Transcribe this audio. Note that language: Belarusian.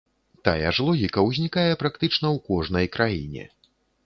Тая ж логіка ўзнікае практычна ў кожнай краіне.